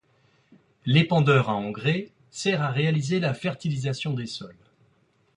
L'épandeur à engrais sert à réaliser la fertilisation des sols.